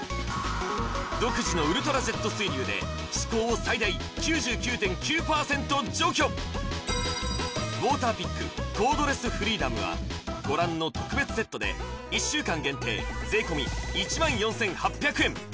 独自のウルトラジェット水流でウォーターピックコードレスフリーダムはご覧の特別セットで１週間限定税込１万４８００円